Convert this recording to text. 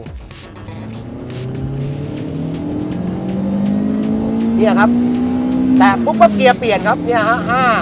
นี่ระครับแต่ปุ๊บเกียร์เปลี่ยนครับนี่เราฮะ๕